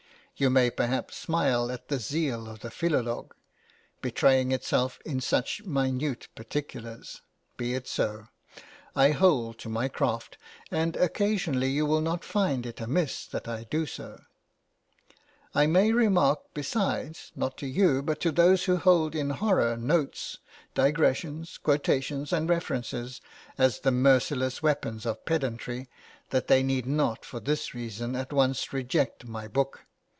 You may perhaps smile at the zeal of the "philolog" betraying itself in such minute particulars. Be it so. I hold to my craft, and occasionally you will not find it amiss that I do so. I may remark besides, not to you, but to those who hold in horror notes, digressions, quotations, and references as the merciless weapons of pedantry, that they need not for this {INTRODUCTION.} (xxi) reason at once reject my book.